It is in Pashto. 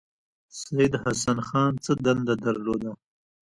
سید حسن خان څه دنده درلوده.